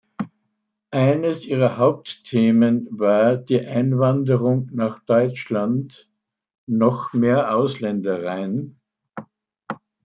Eines ihrer Hauptthemen war die Einwanderung nach Deutschland: "„Noch mehr Ausländer rein?